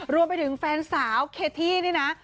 รวมไปถึงแฟนสาวเคที่นี่นะ